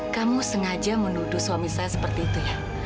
kamu sengaja menuduh suami saya seperti itu ya